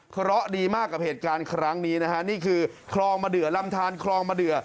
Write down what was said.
เคราะห์ดีมากกับเหตุการณ์ครั้งนี้นะนี่คือลำท่านคลองมาเดือ